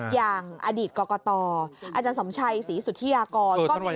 อย่างอดีตกรกตอาจารย์สมชัยศรีสุธิยากรก็มี